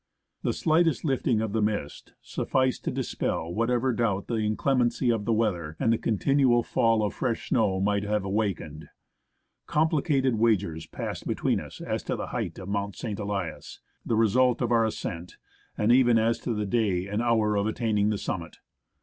The slightest lifting of the mist sufficed to dispel whatever doubt the inclemency of the weather and the continual fall of fresh snow might have awakened. Complicated wagers passed between us as to the height of Mount St. Elias, the result of our ascent, and even as to the day and hour of attaining the summit.